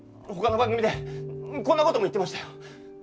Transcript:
他の番組でこんな事も言ってましたよ。